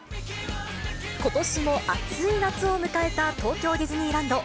ことしも暑い夏を迎えた東京ディズニーランド。